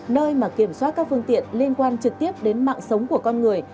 nơi mà kiểm soát các phương tiện liên quan trực tiếp đến mạng sống của con người